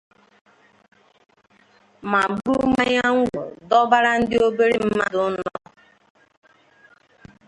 ma buru mmanya ngwọ dọbara ndị obere mmadụ nọ